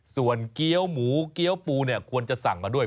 ส่วนเกี้ยวหมูเกี้ยวปูเนี่ยควรจะสั่งมาด้วย